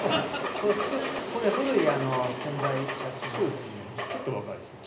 これ古い宣材写真ですね。